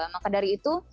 maka dari itu